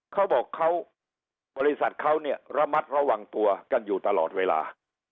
เขาบอกเขาบริษัทเขาเนี่ยระมัดระวังตัวกันอยู่ตลอดเวลา